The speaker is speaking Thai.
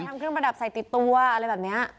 ทำเครื่องประดับใส่ติดตัวอะไรแบบนี้